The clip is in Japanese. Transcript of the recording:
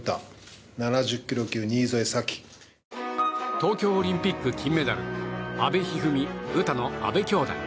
東京オリンピック金メダル阿部一二三、詩の阿部兄妹。